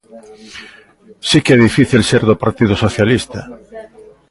¡Si que é difícil ser do Partido Socialista!